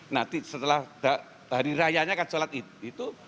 nanti setelah hari rayanya akan sholat itu